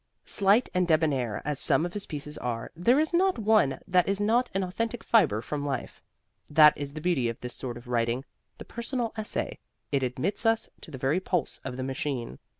Slight and debonair as some of his pieces are, there is not one that is not an authentic fiber from life. That is the beauty of this sort of writing the personal essay it admits us to the very pulse of the machine.